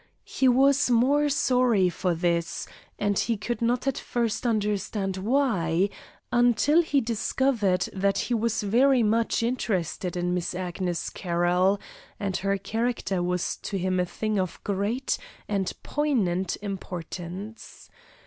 He was more sorry for this, and he could not at first understand why, until he discovered that he was very much interested in Miss Agnes Carroll, and her character was to him a thing of great and poignant importance.